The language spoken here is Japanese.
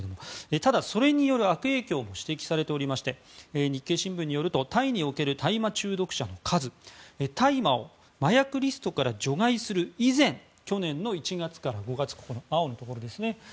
ただ、それによる悪影響も指摘されておりまして日経新聞によるとタイにおける大麻中毒者の数大麻を麻薬リストから除外する以前去年の１月から５月青のところですね。